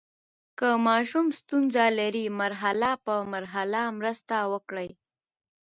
که ماشوم ستونزه لري، مرحله په مرحله مرسته وکړئ.